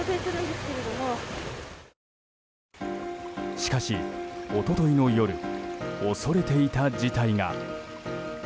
しかし、一昨日の夜恐れていた事態が。